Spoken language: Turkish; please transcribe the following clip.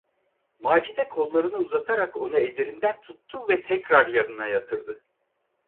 Macide kollarını uzatarak onu ellerinden tuttu ve tekrar yanına yatırdı.